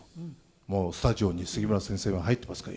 「もうスタジオに杉村先生が入っていますから」。